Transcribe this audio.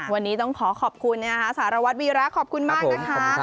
วันนี้ต้องขอขอบคุณนะคะสารวัตรวีระขอบคุณมากนะคะ